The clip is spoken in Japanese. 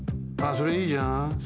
それいいじゃん。